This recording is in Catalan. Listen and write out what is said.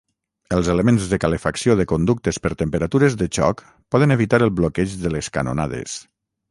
Els elements de calefacció de conductes per temperatures de xoc poden evitar el bloqueig de les canonades.